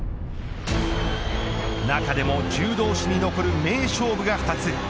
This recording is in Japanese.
中でも柔道史に残る名勝負が２つ。